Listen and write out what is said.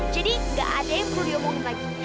jadi ga ada yang perlu dihubungin lagi